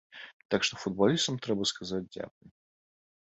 Так што футбалістам трэба сказаць дзякуй.